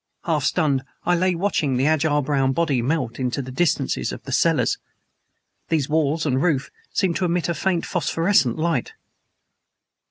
Half stunned, I lay watching the agile brown body melt into the distances of the cellars. Their walls and roof seemed to emit a faint, phosphorescent light.